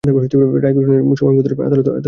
রায় ঘোষণার সময় মোতালেব আদালতে উপস্থিত ছিলেন।